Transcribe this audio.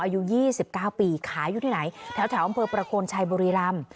อายุยี่สิบเก้าปีขายอยู่ที่ไหนแถวอำเภอประโคลชัยบริรัม